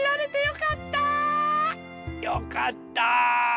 よかった！